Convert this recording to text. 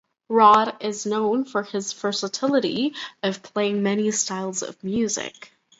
Rod is known for his versatility of playing many styles of music.